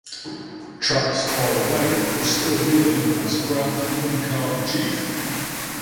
Tracks Far Away was still ruling as Grand Hun kah chief.